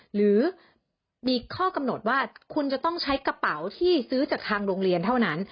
หรือมีข้อกำหนดว่าคุณจะต้องใช้กระเป๋าที่ซื้อจากทางโรงเรียนเท่านั้น